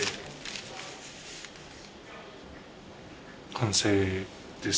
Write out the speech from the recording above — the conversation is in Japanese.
完成です。